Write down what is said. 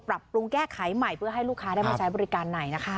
ปรับปรุงแก้ไขใหม่เพื่อให้ลูกค้าได้มาใช้บริการไหนนะคะ